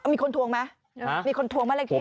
มีคนทวงมั้ยมีคนทวงมาเลขที่มั้ย